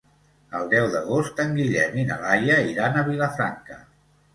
El deu d'agost en Guillem i na Laia iran a Vilafranca.